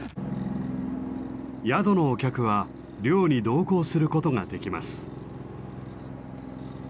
宿のお客は漁に同行することができます。